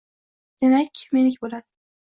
—Demak, meniki bo‘ladi.